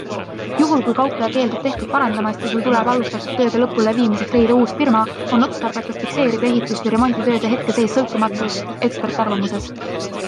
Juhul kui kaupleja keeldub tehtut parandamast ja Sul tuleb alustatud tööde lõpuleviimiseks leida uus firma, on otstarbekas fikseerida ehitus- või remonditööde hetkeseis sõltumatus ekspertarvamuses.